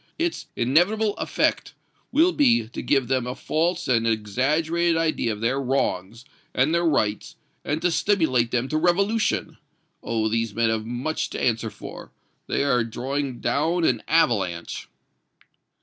Its inevitable effect will be to give them a false and exaggerated idea of their wrongs and their rights, and to stimulate them to revolution. Oh! these men have much to answer for. They are drawing down an avalanche."